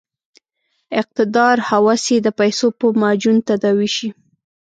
اقتدار هوس یې د پیسو په معجون تداوي شي.